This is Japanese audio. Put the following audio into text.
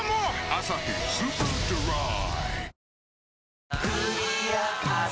「アサヒスーパードライ」